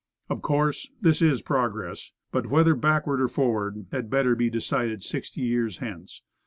Of course, this is progress; but, whether backward or forward, had better be decided sixty years hence.